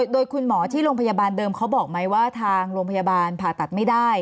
โดยคุณหมอที่โรงพยาบาลเดิมเขาบอกไหมว่าทางโรงพยาบาลผ่าตัดไม่ได้